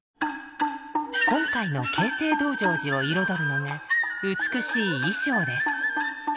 今回の「傾城道成寺」を彩るのが美しい衣裳です。